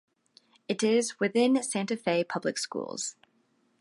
It is within Santa Fe Public Schools.